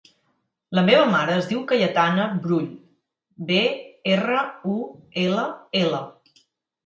La meva mare es diu Cayetana Brull: be, erra, u, ela, ela.